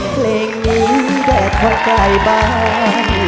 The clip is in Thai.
เพลงนี้แดดค่อยใกล้บ้าน